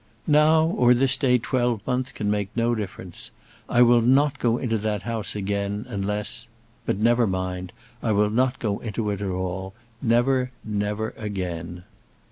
"Now, or this day twelvemonth, can make no difference. I will not go into that house again, unless but never mind; I will not go into it all; never, never again.